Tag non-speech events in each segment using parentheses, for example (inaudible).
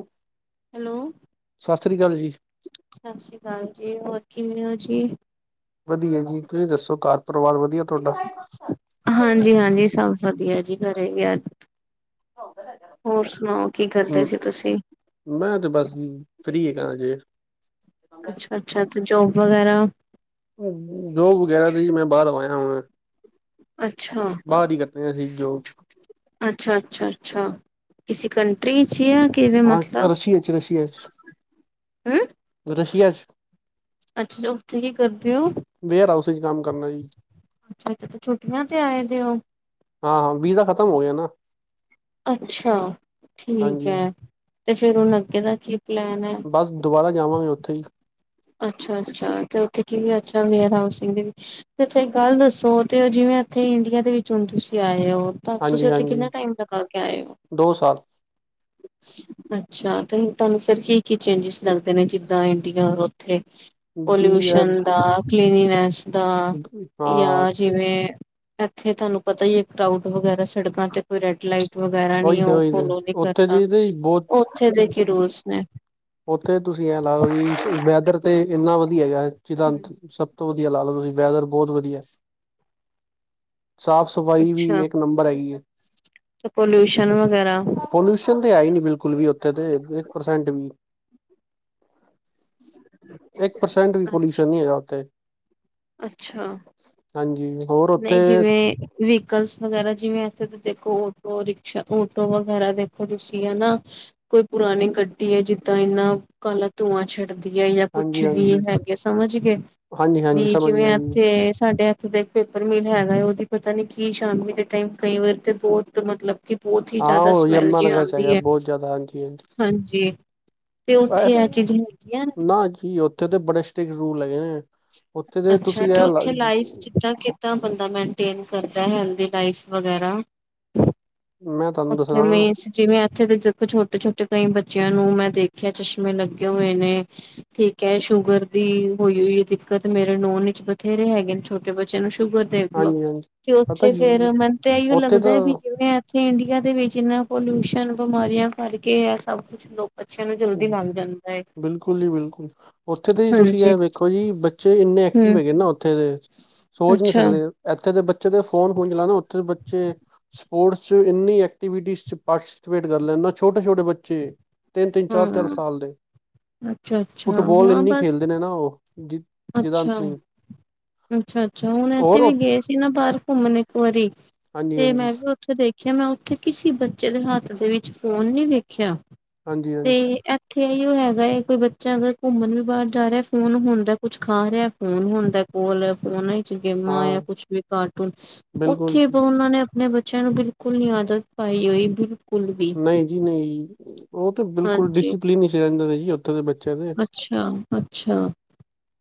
ੳ hello ਸਾ਼ਸ੍ਰੀ਼ ਕਾਲ ਜੀ। ਸਤਿ ਸ੍ਰੀ ਅਕਾਲ ਜੀ ਹੋਰ ਕਿਵੇਂ ਓ ਜੀ? ਵਧੀਆ ਜੀ, ਤੁਸੀਂ ਦੱਸੋ ਘਾਰ ਪਰੀਵਾਰ ਵਧੀਆ ਤੁਆਡਾ? ਹਾਂਜੀ- ਹਾਂਜੀ ਸਭ ਵਧੀਆ ਜੀ, ਘਰੇ ਵੀ ਅੱ ਹੌਰ ਸੁ਼ਣਾਓ ਕੀ ਕਰਦੇ ਹਮ ਸੀ ਤੁਸੀਂ? ਮੈਂ ਤੇ ਬਸ ਜੀ ਫ੍ਰਰੀ ਹੈਗਾ ਹਜੇ। ਅੱਛਾ ਅੱਛਾ ਤੇ ਜੋਬ ਵਗੈਰਾ ਦੋ ਹਜਾਰ ਤੇ ਜੀ ਮੈਂ ਬਾਹਰੋ ਆਇਆ। ਹ ਅ ਅੱਛਾ ਬਾਹਰ ਹੀ ਕਟ ਰਹਿਆ ਅਸੀਂ ਜੋ ਅੱਛਾ -ਅੱਛਾ -ਅੱਛਾ ਕਿਸੀ ਕੰੰਟਰੀ ਚ ਯਾ ਕਿਵੇਂ ਹਾਂ ਮਤਲਬ ਰਸ਼ੀਆ ਚ ਰਸ਼ੀਆ ਚ ਅ ਰਸ਼ੀਆ 'ਚ ਅੱਛਾ ਅ ਉੱਥੇ ਕੀ ਕਰਦੇ ਓ? ਵੇਅਰ ਹਾਊਸ ਚ ਕੰਮ ਕਰਨਾ ਜੀ। ਅੱਛਾ -ਅੱਛਾ ਛੁੱਟੀਆਂ ਤੇ ਆਏ ਦੇ ਏ ੳ? ਹਾਂ ਵੀਜਾ ਖਤਮ ਹੋ ਗਿਆ ਨਾ। ਅੱਛਾ! ਠੀਕ ਹਾਂਜੀ ਐ, ਤੇ ਫੇਰ ਹੁਣ ਅੱਗੇ ਦਾ ਕੀ ਪਲੈਨ ਐ? ਬਸ ਦੁਬਾਰਾ ਜਾਵਾਂਗੇ ਓਥੇ ਜੀ। ਅੱਛਾ- ਅੱਛਾ ਤੇ ਉੱਥੇ ਕੀ ਅੱਛਾ ਵੇਅਰ ਹਾਊਸਿੰਗ ਦੇ ਵਿੱਚ? ਅੱਛਾ ਇੱਕ ਗੱਲ ਦੱਸੋ, ਤੇ ੳਅ ਜਿਵੇਂ ਇੱਥੇ ਇੰਡੀਆ ਦੇ ਵਿੱਚ ਹੁਣ ਤੁਸੀਂ ਆਏ ੳਹ? ਟੱਚ ਹਾਂਜੀ ਤੁਸੀਂ ਉੱਥੇ ਹਾਂਜੀ ਕਿੰਨਾ ਟਾਈਮ ਲਗਾ ਕੇ ਆਏ ੳ? ਦੋ ਸਾਲ ਅ ਅੱਛਾ, ਤੇ ਤਾਨੂੰ ਫਿਰ ਕੀ -ਕੀ ਚੇਂਜਿਸ ਲੱਗਦੇ ਨੇ ਜਿੱਦਾਂ ਇੰਡੀਆ? ਥੇ ਜੀ ਪੋਲਊਸ਼ਨ ਇਹ ਦਾ ਕਲੀਨੀਨੈਸ? ਦਾ ਹਾਂ ਜਾ ਜਿਵੇਂ ਇੱਥੇ ਤਾਨੂੰ ਪਤਾ ਈ ਆ, ਕਰਾਊਡ ਵਗੈਰਾ ਸੜਕਾਂ ਤੇ ਕੋਈ ਰੈਡ ਲਾਈਟ ਵਗੈਰਾ ਨ ਈ ਉਹੀ ਤੇ ਓ ਉਹੀ ਤੇ ਫੋਲੋ ਨੀ ਉੱਥੇ ਕਰਤਾ, ਜੀ ਤੇ ਬਹੁਤ ਉੱਥੋ ਦੇ ਕੀ ਰੂਲਸ ਨੇ? ਉੱਥੋ ਤੁਸੀਂ ਐਂ ਲਾਓ ਜੀ, ਸ ਵੈਦਰ ਤੇ ਏਨਾ ਵਧੀਆ ਹੈਗਾ ਜ ਜਿਦਾ ਅੰਤ ਨੀ ਸਭ ਤੋਂ ਤੋਂ ਵਧੀਆ ਲਾ ਲਓ, ਤੁਸੀਂ ਵੈਦਰ ਬਹੁਤ ਵਧੀਆ ਸਾਫ਼ ਸਫ਼ਾਈ ਵੀ ਅੱਛਾ ਇੱਕ ਨੰਬ ਬਰ ਹੈਗੀ ਏ। ਤੇ ਪੋਲਊਸ਼ਨ ਵਗੈਰਾ? ਪੋਲਿਊਸ਼ਨ ਤੇ ਹੈ ਈ ਨਈ ਬਿਲਕੁਲ ਵੀ ਉੱਥੇ ਤੇ ਇੱਕ ਪਰਸੈ਼ਂਟ ਵੀ। ਏਕ ਪਰਸੈਂੱਟ ਵੀ ਪੋਲਿਊਸ਼ਨ ਨਹੀਂ ਹੈਗਾ ਓਥੇ। ਅੱਛਾ-ਅੱਛਾ ਹਾਂਜੀ ਹੋਰ ਓੱਥੇ ਤੇ ਵੀਕਲਸ ਵਗੈਰਾ ਜਿਵੇਂ, ਇੱਥੇ ਤਾਂ ਦੇਖੋ, ਓਟੋ ਰਿਕਸ਼ਾ, ਓਆਟੋ ਵਗੈਰਾ ਵੇ ਤੇ ਤੁਸੀਂ ਹਨਾ ਕੋਈ ਪੁਰਾਣੀ ਗੱਡੀ ਏ, ਜਿੱਦਾਂ ਏਨਾ ਕਾਲਾ ਧੂੰਆਂ ਛੱਡਦਾ। ਯ ਜਾਂ ਕੁਛ ਹਾਂਜੀ ਵੀ ਹਾਂਜੀ ਹੈਗੇ ਸਮਝ ਗਏ, ਹਾਂਜੀ ਹਾਂਜੀ ਵੀ ਸਮਝ ਜਿਵੇਂ ਗਿਆ ਜੀ ਇੱਥੇ ਸਾਡੇ ਏਥੇ ਇੱਕ ਪੇਪਰ ਮਿਲ ਹੈਗਾ, ਓਦੀ ਪਤਾ ਨੀ ਕੀ ਸ਼ਾਮ ਦੇ ਟਾਈਮ ਕਈ ਵਾਰੀ ਤੇ ਬੋਤ ਮਤਲਬ ਕਿ ਬਹੁਤ ਹੀ ਹਾਂ ਜ਼ਿਆਦਾ ਉਹ ਸਮੈਲ ਯਮੁਨਾ ਜਿ ਨਗਰ ਚ ਆਉਂਦੀ ਹੈਗਾ ਹੈ, ਬਹੁਤ ਜ਼ਿਆਦਾ ਹਾਂਜੀ ਹਾਂਜੀ ਹਾਂਜੀ। ਤੇ ਉੱਥੇ ਇਹ ਚੀਜ਼ਾਂ ਹੈਗੀਆਂ ਨੇ? ਹਾਂਜੀ, ਉੱਥੇ ਤੇ ਬੜੇ ਸਟ੍ਰਿਕਟ ਰੂਲ ਹੈਗੇ ਨੇ, ਉੱਥੇ ਦੇ ਅੱਛਾ ਤੁਸੀਂ ਤੇ ਇਹ ਲਾ ਉੱਥੇ ਜ ਲਾਈਫ ਜਿੱਦਾਂ -ਕਿੱਦਾਂ ਬੰਦਾ ਮੇਨਟੇਨ ਕਰਦਾ ਹੈਲਦੀ ਲਾਈਫ ਵਗੈਰਾ। ਮੈਂ ਤੁਹਾਨੂੰ ਉੱਛੇ ਦੱਸਣਾ ਮੇ ਜਿਵੇਂ, ਇੱਥੇ ਦੇ ਦੇਖੋ ਛੋਟੇ- ਛੋਟੇ ਕਈ ਬੱਚਿਆਂ ਨੂੰ ਮੈਂ ਦੇਖਿਆ ਚਸ਼ਮੇ ਲੱਗੇ ਹੋਏ ਨੇ। ਠੀਕ ਹੈ, ਸ਼ੂਗਰ ਦੀ ਹੋਈ -ਹੋਈ ਹੈ ਦਿੱਕਤ, ਮੇਰੇ ਨੋਨ ਵਿੱਚ ਬਥੇਰੇ ਹੈਗੇ ਨੇ ਛੋਟੇ ਬੱਚਿਆਂ ਨੂੰ ਸ਼ੂਗਰ। ਦੇਖਲੋ, ਹਾਂਜੀ ਹਾਂਜੀ ਤੇ ਪਤਾ ਉੱਥੇ ਕੀ ਫੇਰ ਮੈਨ ਤੇ ਇਓ ਉੱਥੇ ਤਾਂ ਲੱਗਦਾ ਵੀ ਜਿਵੇਂ ਇੱਥੇ ਇੰਡੀਆ ਦੇ ਵਿੱਚ ਇੰਨਾ ਪੋਲਿਊਸ਼ਨ, ਬਿਮਾਰੀਆਂ ਕਰਕੇ ਹੈ ਸਭ ਕੁਛ ਲੋਕ ਅੱਛਿਆਂ ਨੂੰ ਜਲਦੀ ਮੰਨ ਜਾਂਦਾ। ਏ। ਬਿਲਕੁਲ ਜੀ ਬਿਲਕੁਲ। ਉੱਥੇ ਦੇ ਜੀ ਤੁਸੀਂ ਹਾਂਜੀ ਇਹ ਵੇਖੋ ਜੀ ਬੱਚੇ ਇੰਨੇ ਹੂੰ ਐਕਟਿਵ ਹੈਗੇ ਨਾ ਉੱਥੇ ਦੇ। ਸੋਚ ਨੀ ਅੱਛਾ। ਸਕਦੇ, ਇੱਥੇ ਦੇ ਬੱਚੇ ਦੇ ਫੋਨ -ਫੋਨ ਚਲਾਉਣਾ, ਉੱਥੇ ਦੇ ਬੱਚੇ ਸਪੋਰਟਸ ਚ ਇੰਨੀ ਐਕਟੀਵਿਟੀ ਚ ਪਾਰਟੀਸਪੇਟ ਕਰ ਲੈਂਦਾ ਛੋਟੇ- ਛੋਟੇ ਬੱਚੇ, ਤਿੰਨ- ਤਿੰਨ ਚਾਰ -ਚਾਰ ਹਾਂ ਸਾਲ ਦੇ, ਅੱਛਾ-ਅੱਛਾ ਫੁੱਟਬਾਲ ਹਾਂ ਇੰਨੀ ਬਸ ਖੇਲਦੇ ਨੇ ਨਾ ਉਹ ਜ ਜਿਹਦਾ ਅੰਤ ਨਹੀਂ। ਅੱਛਾ -ਅੱਛਾ ਹੁਣ ਔਰ ਅਸੀਂ ਵੀ ਉਹ- ਗਏ ਸੀ ਨਾ ਬਾਹਰ ਘੁੰਮਣ ਇੱਕ ਵਾਰੀ, ਹਾਂਜੀ ਤੇ ਹਾਂਜੀ ਮੈਂ ਵੀ ਉਥੇ ਦੇਖਿਆ ਮੈਂ, ਉੱਥੇ ਕਿਸੇ ਬੱਚੇ ਦੇ ਹੱਥ ਦੇ ਵਿੱਚ ਫੋਨ ਨਹੀਂ ਵੇਖਿਆ। ਹਾਂਜੀ ਤੇ, ਹਾਂਜੀ ਇੱਥੇ ਹੀ ਉਹ ਹੈਗਾ ਹੈ, ਕੋਈ ਬੱਚਾ ਅਗਰ ਘੁੰਮਣ ਵੀ ਬਾਹਰ ਜਾ ਰਿਹਾ, ਫੋਨ ਹੁੰਦਾ। ਕੁਛ ਖਾ ਰਿਹਾ, ਫੋਨ ਹੁੰਦਾ ਕੋਲ, ਫੋਨ ਗੇਮਾਂ ਹਾਂ ਜਾਂ ਕੁਛ ਵੀ ਕਾਰਟੂਨ ਬਿਲਕੁਲ ਉੱਥੇ ਜੀ ਉਹਨਾਂ ਨੇ ਮੈਂ, ਬੱਚਿਆਂ ਨੂੰ ਬਿਲਕੁਲ ਨੀ ਆਦਤ ਪਾਈ ਹੋਈ, ਬਿਲ ਨਹੀਂ ਜੀ ਨਹੀਂ, ਉਹ ਤਾਂ ਬਿਲਕੁਲ ਹਾਂਜੀ ਡਿਸਪਲਿਨ ਵਿਚ ਰਹਿੰਦੇ ਨੇ ਜੀ। ਦੇ ਬੱਚਿਆਂ ਦੇ ਅੱਛਾ -ਅੱਛਾ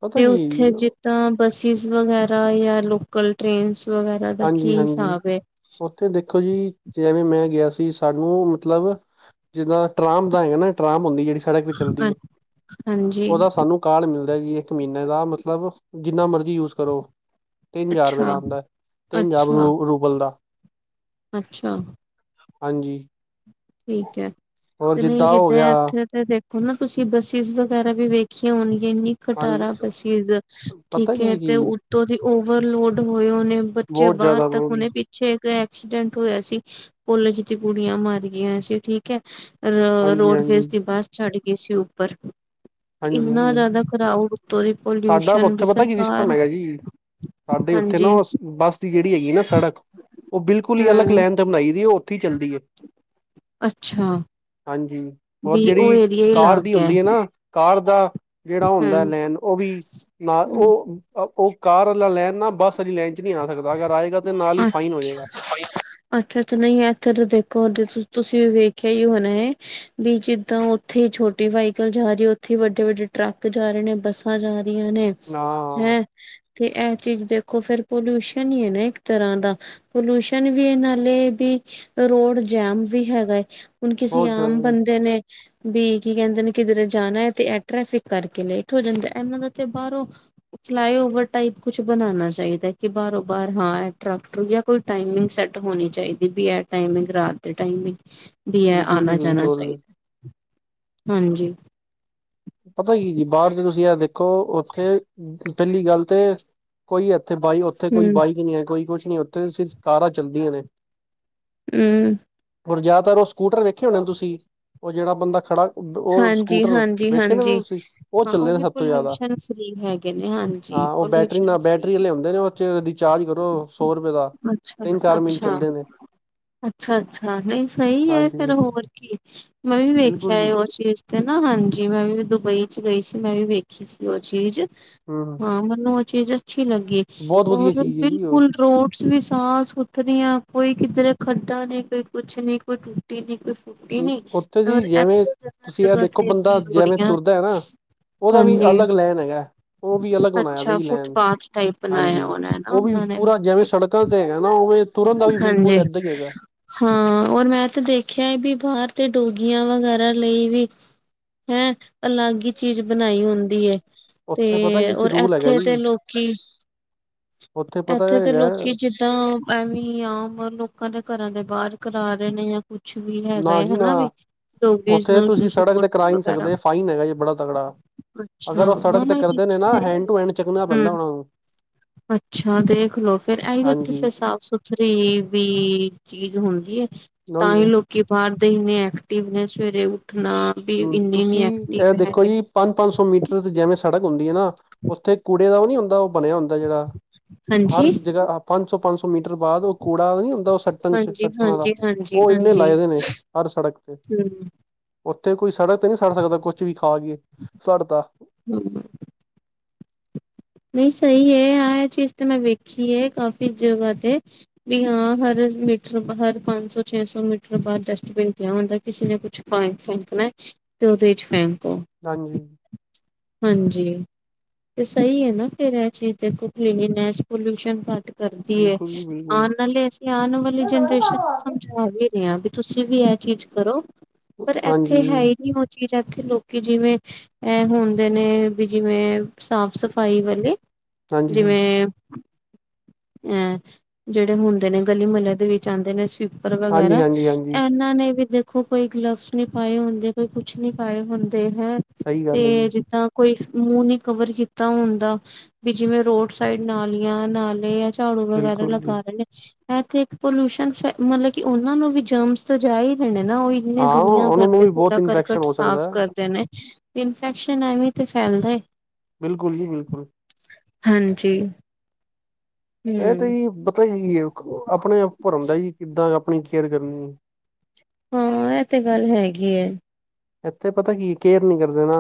ਪਤਾ ਤੇ ਕੀ ਹੈ ਉੱਥੇ ਜੀ ਜਿੱ ਤਾਂ ਬਸਿਸ ਵਗੈਰਾ ਜਾਂ ਲੋਕਲ ਟੇਰਨਸ ਵਗੈਰਾ ਦਾ ਹਾਂਜੀ ਕੀ -ਹਾਂਜੀ ਹਿਸਾਬ ਹੈ ਉੱਥੇ ਦੇਖੋ ਜੀ ਜਿਵੇਂ ਮੈਂ ਗਿਆ ਸੀ, ਸਾਨੂੰ ਮਤਲਬ ਜਿੱਦਾਂ ਟਰਾਂਬ ਦਾ ਹੈਗਾ ਨਾ, ਟਰਾਂਬ ਹੁੰਦੀ ਜਿਹੜੀ ਸੜਕ ਤੇ ਚੱਲਦੀ ਏ, ਹਾਂਜੀ ਉਹਦਾ ਸਾਨੂੰ ਕਾਰਡ ਮਿਲਦਾ ਜੀ ਇੱਕ ਮਹੀਨੇ ਦਾ, ਮਤਲਬ ਜਿੰਨਾ ਮਰਜ਼ੀ ਯੂਜ ਕਰੋ, ਤਿੰਨ ਹਜ਼ਾਰ ਰੁਪਏ ਅੱਛਾ ਦਾ ਆਂਦਾ। ਤਿੰਨ ਹਜਾਰ ਅੱਛਾ ਰੂਬਲ ਦਾ। ਅੱਛਾ। ਹਾਂਜੀ। ਠੀਕ ਹੈ। ਹੋਰ ਤੇ ਨਹੀਂ ਹੋ ਗਿਆ ਜਿੱਦਾਂ ਇੱਥੇ ਤੇ ਦੇਖ ਹਨਾ, ਤੁਸੀਂ ਬੱਸਿਸ ਵਗੈਰਾ ਵੀ ਵੇਖੀਆਂ ਹੋਣਗੀਆਂ, ਇੰਨੀ ਖਟਾਰਾ ਹਾਂਜੀ ਬੱਸਿਸ। ਪਤਾ ਠੀਕ ਹੈ, ਕੀ ਤੇ ਜੀ ਉਤੋਂ ਦੀ ਓਵਰਲੋਡ ਹੋਏ ਉਹਨੇ ਬੱਚੇ ਬਹੁਤ ਬਾਹਰ ਜ਼ਿਆਦਾ ਹੋ ਤੱਕ ਗਈ ਉਹਨੇ ਪਿੱਛੇ ਇੱਕ ਐਕਸੀਡੈਂਟ ਹੋਇਆ ਸੀ, ਕੋਲਿਜ ਦੀਆਂ ਕੁੜੀਆਂ ਮਰ ਗਈਆਂ ਸੀ। ਠੀਕ ਅ ਹਾਂਜੀ ਹਾਂਜੀ ਰੋਡਵੇਜ਼ ਦੀ ਬੱਸ ਛੱਡ ਗਈ ਸੀ ਉੱਪਰ। ਹਾਂਜੀ ਇੰਨਾ ਹਾਂਜੀ ਜ਼ਿਆਦਾ ਕਰਾਊਡ ਉੱਤੋਂ ਦੀ, ਸਾਡਾ ਪੋਲਿਊਸ਼ਨ ਵੀ ਉੱਥੇ ਪਤਾ ਕੀ ਸਿਸਟਮ ਸਰਕਾਰ ਹੈਗਾ ਜੀ ਸਾਡੇ ਉੱਥੇ ਨਾ, ਹਾਂਜੀ ਉਹ ਬੱਸ ਦੀ ਜਿਹੜੀ ਹੈਗੀ ਨਾ ਸੜਕ ਉਹ ਬਿਲਕੁਲ ਹੀ ਅਲੱਗ ਹਮ ਲੈਨ ਤੇ ਬਣਾਈ ਦੀ ਉਹ ਉੱਥੇ ਹੀ ਚੱਲਦੀ ਏ। ਅੱਛਾ। ਹਾਂਜੀ, ਹੋਰ ਵੀ ਉਹ ਜਿਹੜੀ ਏਰੀਆ ਹੀ ਕਾਰ ਦੀ ਅਲੱਗ ਹੁੰਦੀ ਹੈ ਨਾ ਕਾਰ ਦਾ ਜਿਹੜਾ ਹੁੰਦਾ ਹਮ ਲੈਨ, ਉਹ ਵੀ ਨਾ ਉਹ ਉਹ ਕਾਰ ਵਾਲਾ ਲੈਨ ਨਾ ਬੱਸ ਆਲੀ ਲੈਨ ਚ ਨਹੀਂ ਆ ਸਕਦਾ, ਅਗਰ ਆਏਗਾ ਤੇ ਨਾਲ ਹੀ ਫਾਈਨ ਹੋ ਅੱਛਾ। ਜਾਏਗਾ ਅੱਛਾ ਅੱਛਾ, ਨਹੀਂ ਐਥੇ ਤੇ ਦੇਖੋ ਦੇ ਤੁਸੀਂ ਵੀ ਵੇਖਿਆ ਹੀ ਹੋਣਾ ਏ। ਵੀ ਜਿੱਦਾਂ ਓਥੇ ਛੋਟੀ ਵਾਈਕਲ ਜਾ ਰੀ ਏ, ਓਥੇ ਈ ਵੱਡੇ-ਵੱਡੇ ਟਰੱਕ ਜਾ ਰੇ ਨੇ, ਬੱਸਾਂ ਜਾ ਰਈਆਂ ਨੇ। ਨਾ। ਹੈਂ ਤੇ ਐਹ ਚੀਜ਼ ਦੇਖੋ ਫੇਰ ਪੋਲਿਊਸ਼ਨ ਈ ਏ ਨਾ ਇੱਕ ਤਰ੍ਹਾਂ ਦਾ, ਪੋਲੂਸ਼ਨ ਵੀ ਏ ਨਾਲੇ ਬੀ ਰੋਡ ਜੈਮ ਵੀ ਹੈਗੈ। ਹੁਣ ਕਿਸੀ ਬਹੁਤ ਜ਼ਿਆਦਾ ਆਮ ਬੰਦੇ ਨੇ ਬੀ ਕੀ ਕੈੰਦੇ ਨੇ ਕਿਧਰੇ ਜਾਣੈ ਤੇ ਐਹ ਟ੍ਰੈਫਿਕ ਕਰਕੇ ਲੇਟ ਹੋ ਜਾਂਦੈ। ਐਹਨਾਂ ਦਾ ਤੇ ਬਾਰੋਂ ਫਲਾਈਓਵਰ ਟਾਈਪ ਕੁਛ ਬਣਾਣਾ ਚਾਈਦੈ, ਕਿ ਬਾਰੋ-ਬਾਰ ਹਾਂ ਟ੍ਰਾਕ-ਟ੍ਰੁਕ ਯਾ ਕੋਈ ਟਾਈਮਿੰਗ ਸੈਟ ਹੋਣੀ ਚਾਈਦੀ ਬੀ ਐਹ ਟਾਈਮਿੰਗ ਰਾਤ ਦੇ ਟਾਈਮਿੰਗ ਬੀ ਐ ਬਿਲਕੁਲ ਜੀ ਆਣਾ-ਜਾਣਾ ਬਿਲਕੁਲ ਚਾਈਦੈ, ਹਾਂਜੀ। ਪਤੈ ਕੀ ਜੀ, ਬਾਰ ਤੇ ਤੁਸੀਂ ਐ ਦੇਖੋ ਓਥੇ ਪੈਲੀ ਗੱਲ ਤੇ ਕੋਈ ਓਥੇ ਬਾਈ ਓਥੇ ਕੋਈ ਹਮ ਬਾਈਕ ਨੀ ਹੈ ਕੋਈ ਕੁਛ ਨੀ ਓਥੇ ਤੇ ਸਿਰਫ ਕਾਰਾਂ ਚੱਲਦੀਆਂ ਨੇ। ਹੂੰ। ਓਰ ਜੈਤਰ ਓਹ ਸਕੂਟਰ ਵੇਖੇ ਹੋਣੇ ਤੁਸੀਂ, ਓਹ ਜੇੜਾ ਬੰਦਾ ਖੜਾ ਓਹ ਸਕੂਟਰ ਜੀ ਵੇਖੇ ਨੇ ਹਾਂਜੀ, ਤੁਸੀਂ ਉਹ ਹਾਂ ਓਹ ਚੱਲੇ ਨੇ ਵੀ ਸਭ ਤੋਂ ਜ਼ਿਆਦਾ ਪੋਲਿਊਸ਼ਨ ਫ੍ਰੀ ਹੈਗੇ ਨੇ ਹਾਂਜੀ। ਹਾਂ, ਓਹ ਬੈਟਰੀ ਪੋਲਿਊਸ਼ਨ ਨਾ ਫ੍ਰਰੀ ਬੈਟਰੀ ਆਲੇ ਹੁੰਦੇ ਨੇ ਓਹ ਚ ਰਿਚਾਰਜ ਕਰੋ ਸੌ ਰਪੇ ਦਾ ਅੱਛਾ, ਤਿੰਨ ਚਾਰ ਮਿੰਟ ਅੱਛਾ। ਚੱਲਦੇ ਨੇ ਅੱਛਾ ਅੱਛਾ, ਨਹੀਂ ਸਹੀ ਐ ਫੇਰ ਹਾਂਜੀ ਹੋਰ ਕੀ ਏ। ਮੈਂ ਵੀ ਵੇਖਿਆ ਬਿਲਕੁਲ ਜੀ ਏ ਓਹ ਪੇਜ਼ ਤੇ ਨਾ, ਹਾਂਜੀ, ਮੈਂ ਵੀ ਦੁਬਈ ਚ ਗਈ ਸੀ ਮੈਂ ਵੀ ਵੇਖੀ ਸੀ ਓਹ ਚੀਜ਼। ਹੂੰ, ਹੂੰ। ਹਾਂ ਮੈਨੂੰ ਓਹ ਚੀਜ਼ ਅੱਛੀ ਲੱਗੀ ਬਹੁਤ ਵਧੀਆ ਔਰ ਚੀਜ਼ ਹੈ ਜੀ ਉਹ ਬਿਲਕੁਲ ਰੋਡ ਸ ਵੀ ਸਾਫ਼-ਸੁਥਰੀਆਂ, ਕੋਈ ਕਿਧਰੇ ਖੱਡਾ ਨੀ ਕੋਈ ਕੁਛ ਨੀ, ਕੋਈ ਟੁੱਟੀ ਨੀ ਕੋਈ ਫੁੱਟੀ ਹੂੰ, ਨੀ, ਉੱਥੇ ਜੀ ਔਰ ਜਿਵੇਂ ਐਥੋਂ ਤੁਸੀਂ ਐ ਦੇਖੋ ਬੰਦਾ ਜੈਵੇਂ ਤੁਰਦਾ ਐ ਨਾ ਓਦਾ ਵੀ ਹਾਂਜੀ ਅਲੱਗ ਲੈਣ ਹੈਗੈ, ਓਹ ਵੀ ਅਲੱਗ ਬਣਾਇਆ ਦਾ ਅੱਛਾ ਏ ਲੈਣ, ਫੁੱਟਪਾਥ ਟਾਈਪ ਬਣਾਇਆ ਹਾਂਜੀ। ਹੋਣਾ ਹੈ ਨਾ ਓਹ ਵੀ ਉਹਨਾਂ ਨੇ ਪੂਰਾ ਜੈਵੇਂ ਸੜਕਾਂ ਤੇ ਹੈਗੈ ਨਾ ਓਂਵੇਂ ਤੁਰਨ ਦਾ ਵੀ ਬਿਲਕੁਲ ਹਾਂਜੀ ਐਦਾਂ ਈ ਹੈਗੈ। ਹਾਂ, ਔਰ ਮੈਂ ਤੇ ਦੇਖਿਆ ਬੀ ਭਾਰ ਤੇ ਡੋਗੀਆਂ ਵਗੈਰਾ ਲਈ ਵੀ ਹੈਂ ਅਲੱਗ ਈ ਚੀਜ਼ ਬਣਾਈ ਹੁੰਦੀ ਏ। ਤੇ ਉੱਥੇ ਪਤਾ ਕੀ ਸੀ ਔਰ ਰੂਲ ਹੈਗਾ ਐਥੇ ਤੇ ਜੀ ਲੋਕੀ ਉੱਥੇ ਪਤਾ ਐਥੇ ਤੇ ਹੈਗਾ ਲੋਕੀ ਜਿੱਦਾਂ ਐਵੇਂ ਈ ਆਮ ਲੋਕਾਂ ਦੇ ਘਰਾਂ ਦੇ ਬਾਰ ਕਰਾ ਰੇ ਨੇ ਯਾ ਕੁਛ ਵੀ ਹੈਗਾ ਨਾ ਏ ਜੀ ਨਾ ਹਨਾ ਬਈ। ਡੋਗੀਜ਼ ਉੱਥੇ ਨੂੰ ਤੁਸੀਂ ਸੁਸੂ, ਸੜਕ ਤੇ ਪੋਟੀ ਕਰਾ ਹੀ ਨਹੀਂ ਵਗੈਰਾ। ਸਕਦੇ ਫਾਈਨ ਹੈਗਾ ਜੀ ਬੜਾ ਤਗੜਾ ਅੱਛਾ, ਅਗਰ ਉਹ ਹਾਂ ਸੜਕ ਤੇ ਮੈਂ ਕਰਦੇ ਨੇ ਵੇਖਿਆ ਨਾ ਏ। ਹੈਂਡ ਟੂ ਹੈਂਡ ਚੱਕਣਾ ਹਾਂ। ਪੈਂਦਾ ਉਹਨਾਂ ਨੂੰ ਛਾ ਦੇਖਲੋ ਫੇਰ ਐਹੀ ਬੀ ਓਥੇ ਹਾਂਜੀ ਫੇਰ ਸਾਫ਼-ਸੁਥਰੀ ਬੀ ਚੀਜ਼ ਹੁੰਦੀ ਏ। ਉਹੀ ਤਾਂ ਈ ਤੇ ਲੋਕੀ ਬਾਰ ਦੇ ਇਨੇ ਐਕਟਿਵ ਨੇ, ਸਵੇਰੇ ਉੱਠਣਾ ਵੀ ਇੰਨੀ ਨੀ ਐਕਟਿਵ ਹੈਗ ਪੰਜ-ਪੰਜ ਸੌ ਮੀਟਰ ਤੇ ਜੈਵੇਂ ਸੜਕ ਹੁੰਦੀ ਏ ਨਾ ਓਥੇ ਕੂੜੇ ਦਾ ਨੀ ਹੁੰਦਾ ਓਹ ਬਣਿਆ ਹੁੰਦੈ ਜੇੜਾ ਹਰ ਹਾਂਜੀ, ਜਗ੍ਹਾ ਪੰਜ ਸੌ-ਪੰਜ ਸੌ ਮੀਟਰ ਬਾਦ ਓਹ ਕੂੜਾ ਨੀ ਹੁੰਦਾ ਸੱਟਣ ਚ ਹਾਂਜੀ, ਸੱਟਣ ਆਲਾ ਹਾਂਜੀ, ਹਾਂਜੀ, ਓਹ ਇੰਨੇ ਹਾਂਜੀ ਲਾਏ ਦੇ ਨੇ ਹਰ ਸੜਕ ਤੇ। ਤੇ ਕੋਈ ਸੜਕ ਤੇ ਨੀ ਸਟ ਸਕਦਾ ਕੁਛ ਵੀ ਖਾ ਕੇ ਸਟ ਤਾ। ਹੂੰ। ਨੀ ਸਹੀ ਏ, ਆ ਏਹ ਚੀਜ਼ ਤੇ ਮੈਂ ਵੇਖੀ ਏ ਕਾਫ਼ੀ ਜਗ੍ਹਾ ਤੇ ਬੀ ਹਾਂ, ਹਰ ਮੀਟਰ ਹਰ ਪੰਜ ਸੌ-ਛੇ ਸੌ ਮੀਟਰ ਬਾਦ ਡਸਟਬਿਨ ਪਿਆ ਹੁੰਦੈ। ਕਿਸੇ ਨੇ ਕੁਛ ਭਾਏਂ ਫੈਂਕਣੈ ਤੇ ਓਹਦੇ ਚ ਫੈਂਕੋ। ਹਾਂਜੀ। ਹਾਂਜੀ ਤੇ ਸਈ ਐ ਨਾ ਫੇਰ ਐ ਚੀਜ਼ ਦੇਖੋ ਹਿਮੀਨੈਜ਼ ਪੋਲਿਊਸ਼ਨ ਘੱਟ ਕਰਦੀ ਐ ਬਿਲਕੁਲ ਜੀ ਬਿਲਕੁਲ ਆਣ ਵਾਲੇ ਆਣ ਵਾਲੀ ਜਨਰੇਸ਼ਨ ਨੂੰ ਸਮਝਾ ਵੀ ਰੇ ਆ ਵੀ ਤੁਸੀ ਵੀ ਐ ਚੀਜ਼ ਕਰੋ। ਪਰ ਹਾਂਜੀ ਏਥੇ ਹੈ ਈ ਨਈ ਓ ਚੀਜ਼ ਏਥੇ ਲੋਕੀ ਜਿਵੇਂ ਐ ਹੁੰਦੇ ਨੇ ਵੀ ਜਿਵੇਂ ਸਾਫ ਸਫ ਫਾਈ ਵਾਲੇ ਹਾਂਜੀ ਹਾਂਜੀ ਜਿਵੇਂ ਅ ਜੇੜੇ ਹੁੰਦੇ ਨੇ ਗਲੀ ਮੱਲੇ ਦੇ ਵਿੱਚ ਆਂਦੇ ਨੇ ਸਵੀ ਪਰ ਹਾਂਜੀ ਵਗੈਰਾ ਹਾਂਜੀ ਹਾਂਜੀ ਏਨਾਂ ਨੇ ਵੀ ਦਖ ਖੋ ਕੋਈ ਗਲਵਸ ਨਈ ਪਾਏ ਹੁੰਦੇ ਕੋਈ ਕੁਛ ਨੀ ਪਾਏ ਹੁੰਦੇ ਹੈਂ ਸਹੀ ਤੇ ਗੱਲ ਹੈ ਜੀ ਜਿੱਦਾਂ ਕੋਈ ਮੂੰਹ ਨੀ ਕਵਰ ਕੀਤਾ ਹੁੰਦਾ ਵੀ ਜਿਵੇਂ ਰੋਡ ਸਾਈਡ ਨਾਲੀਆਂ, ਨਾਲੇ ਝਾੜੂ ਵਗੈਰਾ ਬਿਲਕੁਲ ਜੀ ਲਗਾ ਰੇ ਨੇ। ਹੈ ਤੇ ਇੱਕ ਪੋਲਿਊਸ਼ਨ ਫੇ ਮਲਬ ਕਿ ਓਨਾਂ ਨੂੰ ਵੀ ਜਮਸ ਤੇ ਜਾ ਈ ਰਏ ਨੇ ਨਾ ਓਈ। ਏਨੇ ਹਾਂ ਦੁਨੀਆਂ ਭਰ ਉਹਨਾਂ ਨੂੰ ਦੇ ਵੀ ਬਹੁਤ ਕੂੜਾ ਇਨਫੈਕਸ਼ਨ ਕਰਕਟ ਹੋ ਸਾਫ਼ ਸਕਦਾ ਹੈ ਕਰਦੇ ਨੇ ਇਨਫੈਕਸ਼ਨ ਐਵੇਂ ਈ ਤੇ ਫੈਲਦੈ। ਬਿਲਕੁਲ ਜੀ ਬਿਲਕੁਲ। ਹਾਂਜੀ ਐ ਤਾ ਹਮ ਜੀ ਪਤਾ ਕੀ ਏ ਆਪਨੇ ਆਪ ਭਰਨ ਦਾ ਜੀ ਕਿੱਦਾਂ ਆਪਣੀ ਕੇਅਰ ਕਰਨੀ ਐ ਹਾਂ ਐ ਤੇ ਗੱਲ ਹੈਗੀ ਐ। ਏਥੇ ਪਤਾ ਕੀ ਕੇਅਰ ਨੀ ਕਰਦੇ ਨਾ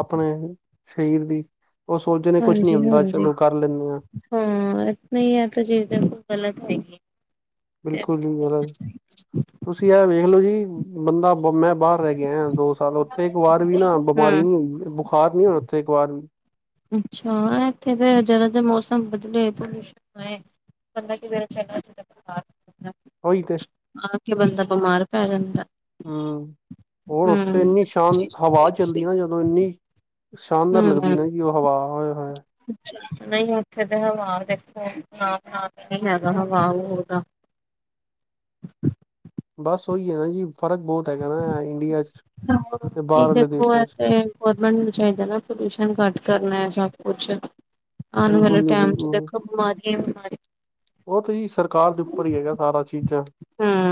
ਆਪਣੇ ਸਰੀਰ ਦੀ। ਓ ਸੋਚਦੇ ਨੇ ਕੁਛ ਨੀ ਹੁੰਦਾ ਚਲੋ ਕਰ ਲੈਨੇ ਆਂ। ਹੁੰ ਨਈ ਐ ਤੇ ਚੀਜ਼ ਗ਼ਲਤ ਹੈਗੀ ਐ। ਬਿਲਕੁਲ ਜੀ ਗਲਤ ਤੁਸੀ ਐ ਵੇਖਲੋ ਜੀ ਬੰਦਾ ਮੈ ਬਾਰ ਰੈ ਕੇ ਆਏਆਂ ਦੋ ਸਾਲ ਓਥੇ ਇੱਕ ਵਾਰ ਵੀ ਨਾ ਹਾਂ। ਬਿਮਾਰੀ ਨੀ ਹੋਈ ਬੁਖਾਰ ਨੀ ਹੋਇਆ ਓਥੇ ਇੱਕ ਵਾਰ ਵੀ। ਅੱਛਾ ਐ ਏਥੇ ਤੇ ਜਰਾ ਜੇ ਮੌਸਮ ਬਦਲੇ ਤੇ ਕੁਛ ਹੋਏ। ਬੰਦਾ ਕਿਦਰੇ ਚਲਾ ਜੇ ਤੇ ਬੁਖਾਰ (unintelligible) ਉਈ ਤੇ ਆ ਕੇ ਬੰਦਾ ਬਮਾਰ ਪੈ ਜਾਂਦਾ। ਹੁੰ ਹੋਰ ਹੂੰ। ਓਥੇ ਇੰਨੀ ਸ਼ਾਨ ਹਵਾ ਚੱਲਦੀ ਨਾ ਜਦੋ ਇੰਨੀ ਸ਼ਾਨਦਾਰ ਲੱਗਦੀ ਹੂੰ ਨਾ ਜੀ ਓ ਹਵਾ ਓਏ ਹੋਏ। ਨਈ ਓਥੇ ਤੇ ਹਵਾ ਦੇਖੋ ਏਨਾ ਖਾਸ ਨੀ ਹੈਗਾ ਹਵਾ ਹੋਰਦਾ। ਬਸ ਓਈ ਐ ਨਾ ਜੀ ਫਰਕ ਬੌਤ ਹੈਗਾ ਨਾ ਇੰਡੀਆ ਚ ਤੇ ਬਾਰਆਲੇ ਦੇਸ਼ਾਂ ਚ। ਗੋਰਮੈਂਟ ਨੂੰ ਚਾਈਦਾ ਨਾ ਪੋਲਿਊਸ਼ਨ ਘੱਟ ਕਰਨਾ ਐ ਸਭ ਕੁਛ। ਆਣ ਵਾਲੇ ਬਿਲਕੁਲ ਜੀ ਟੈਮ ਚ ਦੇਖੋ ਬਿਮਾਰੀਆਂ ਈ ਬਿਮਾਰੀਆਂ ਓ ਤੇ ਜੀ ਸਰਕਾਰ ਦੇ ਉੱਪਰ ਈ ਹੈਗਾ ਸਾਰਾ ਚੀਜਾਂ। ਹੂੰ।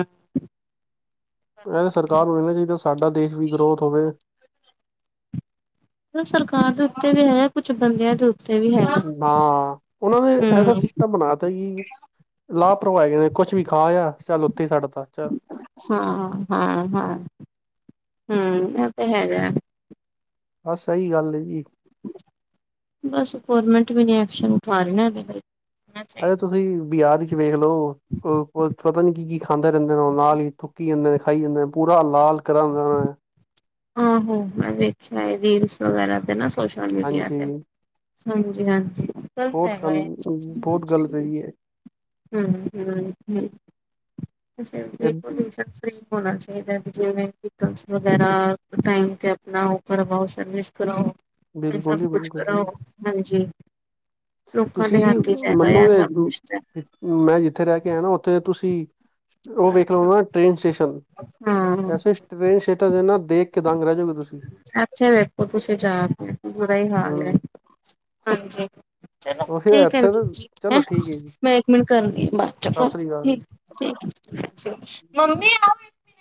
ਏ ਸਰਕਾਰ ਨੂੰ ਮਨਣਾ ਚਾਈਦਾ ਸਾਡਾ ਦੇਸ਼ ਵੀ ਗਰੋਥ ਹੋਵੇ। ਏ ਸਰਕਾਰ ਦੇ ਉਤੇ ਵੀ ਹੈ ਕੁੱਛ ਬੰਦਿਆਂ ਦੇ ਉ ਨਾ ਓਨਾਂ ਨੇ ਐਸਾ ਹੂੰ ਸਿਸਟਮ ਬਣਾ ਤਾ ਜੀ। ਲਾਪਰਵਾ ਹੈਗੇ ਨੇ ਕੁਛ ਵੀ ਖਾ ਆ ਚੱਲ ਓਥੇ ਈ ਸੱਟ ਤਾ ਚੱਲ। ਹਾਂ, ਹਾਂ, ਹਾਂ ਹੁੰ ਐ ਤੇ ਹੈਗਾ। ਬਸ ਸਈ ਗੱਲ ਏ ਜੀ। ਬਸ ਗਰਮੈਂਟ ਵੀ ਨੀ ਐਕਸ਼ਨ ਉਠਾ ਰੀ ਨਾ ਏਦੇ ਬਾਰੇ। ਓ ਤੁਸੀ ਬਿਆਰ ਇਚ ਵੇਖ ਲੋ ਓ, ਓ ਪਤਾ ਨੀ ਕੀ ਕੀ ਖਾਂਦੇ ਰੈਂਦੇ ਨੇ ਨਾਲ ਈ ਥੂਕੀ ਜਾਂਦੇ ਨੇ। ਖਾਈ ਜਾਨੈ ਪੂਰਾ ਲਾਲ ਕਰਾਗਾਂ ਮੈ। ਆਹੋ ਮੈ ਵੇਖਿਆ ਐ ਰੀਲਸ ਵਗੈਰਾ ਤੇ ਨਾ ਸੋਸ਼ਲ ਮੀਡੀਆ ਹਾਂਜੀ ਤੇ। ਹਾਂਜੀ ਹਾਂਜੀ ਗਲਤ ਬਹੁਤ ਹੈਗਾ ਗੰ ਏ ਬਹੁਤ ਗਲਤ ਹੈਗੀ ਹੈ ਜੀ ਬਿਲਕੁਲ ਛਾਡ ਇਹ। (unintelligible) ਫਿਰੀ ਹੋਣਾ ਚਾਹੀਦਾ ਹੈ ਜਿਵੇਂ ਵਿਕਲਸ ਵਗੈਰਾ ਟਾਈਮ ਤੇ ਆਪਣਾ ਉਹ ਕਰਵਾਓ ਸਰਵਿਸ ਕਰਵਾਓ (unintelligible) ਬਿਲਕੁਲ ਸਭ ਜੀ ਕੁਛ ਬਿਲਕੁਲ ਕਰਾਓ ਹਾਂਜੀ ਲੋਕਾਂ ਦੇ ਤੁਸੀਂ ਹੱਥ ਚ ਹੈਗਾ ਆ ਮੰਨੋਗੇ ਸਭ ਕੁਛ ਤੇ ਮੈਂ ਜਿੱਥੇ ਰਹਿ ਕੇ ਆਇਆ ਨਾ ਉਥੇ ਤੁਸੀਂ ਉਹ ਵੇਖ ਲਓ ਨਾ ਟ੍ਰੇਨ ਸਟੇਸ਼ਨ ਹਾਂ ਐਸੇ ਸੇਨ ਸੇਟਾਂ (unintelligible) ਨਾ ਦੇਖ ਕੇ ਦੰਗ ਰਹਿ ਜਾਂਗੇ ਤੁਸ ਅੱਛਾ ਵੇਖੋ ਤੁਸੀਂ ਜਾ ਕੇ ਬੂਰਾ ਹੀ ਹਾਲ ਹੈ ਹੂੰ ਹਾਂਜੀ ਚਲੋ ਉਹੀ ਠੀਕ ਹੈ ਇੱਥੇ ਤਾਂ ਵੀਰ ਜੀ ਹੈਂ ਚਲੋ ਠੀਕ ਹੈ ਜੀ ਮੈਂ ਇੱਕ ਮਿੰਟ ਕਰਨੀ ਆ ਬਾਅਦ ਚੋ ਕੋ ਸਤਿ ਸ੍ਰੀ ਅਕਾਲ ਠੀਕ ਮੰਮੀ ਆ (unintelligible)